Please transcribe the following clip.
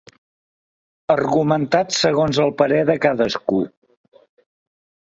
Argumentats segons el parer de cadascú.